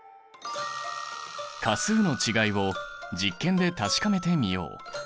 価数の違いを実験で確かめてみよう。